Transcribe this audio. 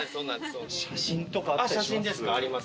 写真ですかありますよ。